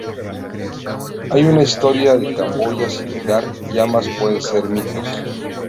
Hay una historia de Camboya similar, y ambas pueden ser mitos.